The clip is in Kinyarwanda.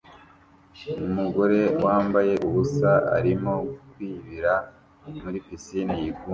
Umugore wambaye ubusa arimo kwibira muri pisine yigunze